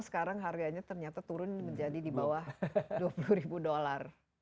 sekarang harganya ternyata turun menjadi di bawah dua puluh ribu dolar